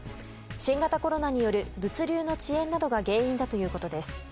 新型コロナによる物流の遅延などが原因だということです。